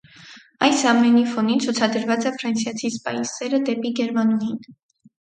Այս ամենի ֆոնին ցուցադրված է ֆրանսիացի սպայի սերը դեպի գերմանուհին։